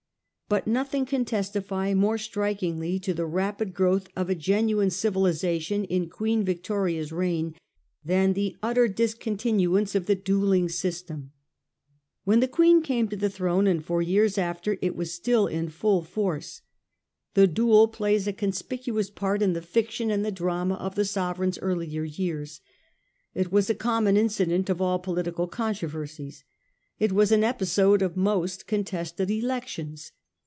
But nothing can testify more strikingly to the rapid growth of a genuine civilisation in Queen Victoria's reign than the utter discontinuance of the duelling system. When the Queen came to the throne, and for years after, it was still in full force. The duel plays a con 156 A HIS TORY OF OUR OWN TIMES. CH. TTI. spicuous part in the fiction and the drama of the Sovereign's earlier years. It was a common incident of all political controversies. It was an episode of most contested elections.